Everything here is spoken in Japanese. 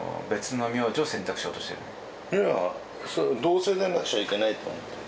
いや同姓じゃなくちゃいけないと思ってる。